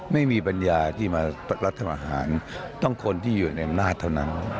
ไม่มีปัญญาที่มารัฐประหารต้องคนที่อยู่ในอำนาจเท่านั้น